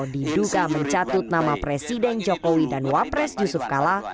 diduga mencatut nama presiden jokowi dan wapres yusuf kala